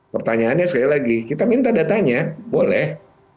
pertanyaannya sekali lagi kita minta datanya boleh